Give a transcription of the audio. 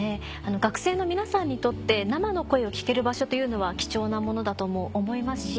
学生の皆さんにとって生の声を聞ける場所というのは貴重なものだとも思いますし。